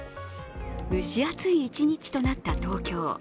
蒸し暑い一日となった東京。